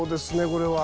これは。